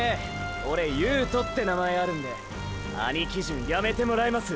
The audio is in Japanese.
オレ「悠人」って名前あるんで兄基準やめてもらえます？